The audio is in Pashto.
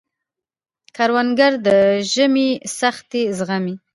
کروندګر د ژمي سختۍ زغمي